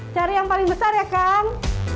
cari yang paling besar ya kang